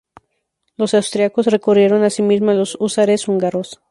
Los austríacos recurrieron asimismo a los húsares húngaros.